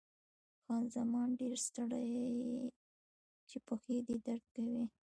خان زمان: ډېر ستړی یې، چې پښې دې درد کوي؟